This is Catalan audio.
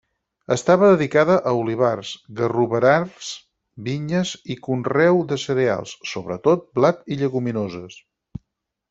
Estava dedicada a olivars, garroverars, vinyes i conreu de cereals, sobretot blat, i lleguminoses.